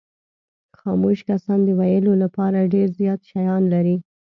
خاموش کسان د ویلو لپاره ډېر زیات شیان لري.